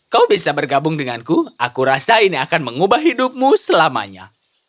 kau bisa bergabung denganku aku rasa ini akan mengubah hidupmu selamanya